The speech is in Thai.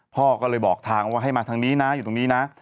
พ่อก็เลยบอกทางว่าให้มาทางนี้นะอยู่ตรงนี้นะ